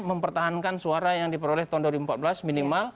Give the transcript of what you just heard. mempertahankan suara yang diperoleh tahun dua ribu empat belas minimal